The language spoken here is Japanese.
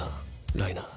ライナー。